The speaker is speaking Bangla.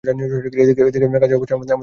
এ দিকে কাজের আসর আমাদের জমে উঠেছে।